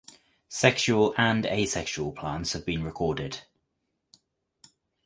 Sexual and asexual plants have been recorded.